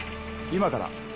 今から。